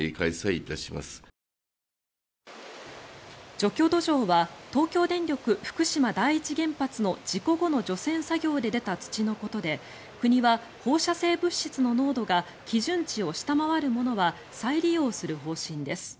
除去土壌は東京電力福島第一原発の事故後の除染作業で出た土のことで国は放射性物質の濃度が基準値を下回るものは再利用する方針です。